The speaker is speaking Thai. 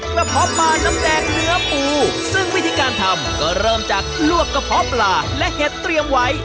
เพาะปลาน้ำแดงเนื้อปูซึ่งวิธีการทำก็เริ่มจากลวกกระเพาะปลาและเห็ดเตรียมไว้